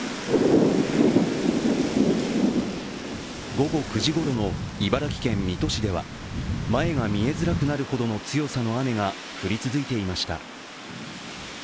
午後９時ごろの茨城県水戸市では前が見えづらくなるほどの強さの雨が降り続いていました。